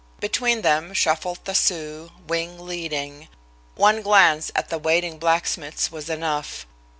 Between them shuffled the Sioux, "Wing" leading. One glance at the waiting blacksmiths was enough.